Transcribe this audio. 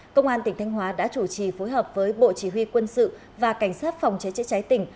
công an tỉnh thanh hóa đã chủ trì phối hợp với bộ chỉ huy quân sự và cảnh sát phòng chế chế trái tỉnh